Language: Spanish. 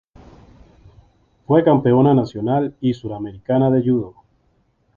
Fue campeona nacional y suramericana de judo.